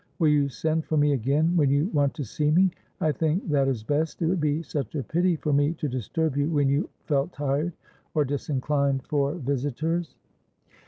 Will you send for me again when you want to see me? I think that is best; it would be such a pity for me to disturb you when you felt tired or disinclined for visitors."